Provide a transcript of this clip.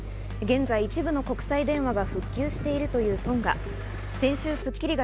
現在、一部の国際電話が復旧しているというトンガ。